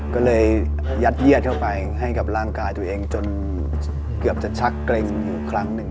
ก็เลยยัดเยียดเข้าไปให้กับร่างกายตัวเองจนเกือบจะชักเกร็งอยู่ครั้งหนึ่ง